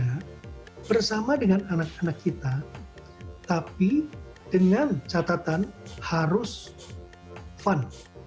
kita bersama dengan anak anak kita tapi dengan catatan harus fun